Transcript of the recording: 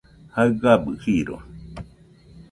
jaɨgabɨ jiro